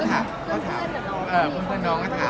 แค่แบบเจอเพื่อนหนูและน้องสาว